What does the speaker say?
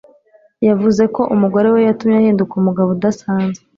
yavuze ko umugore we yatumye ahinduka umugabo udasanzwe.